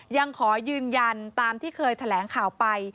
ยังขอยืนยันตามที่เคยแถลงข่าวไป